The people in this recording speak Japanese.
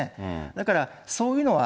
だからそういうのは。